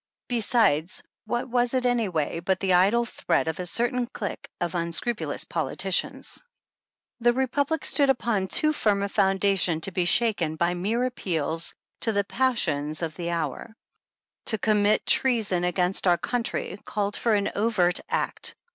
Be sides, what was it any way but the idle threat of a certain clique of unscrupulous politicians ? The Republic stood upon too firm a foundation to be shaken by mere appeals to the passions of the hour. To commit treason against our country called for an overt act.